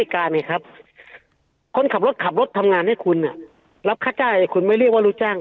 ไงครับคนขับรถขับรถทำงานให้คุณรับค่าจ้างคุณไม่เรียกว่าลูกจ้าง